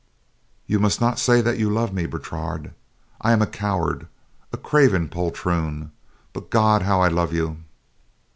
"You must not say that you love me, Bertrade. I am a coward, a craven poltroon; but, God, how I love you."